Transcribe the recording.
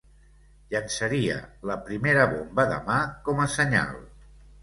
Llançaria la primera bomba de mà, com a senyal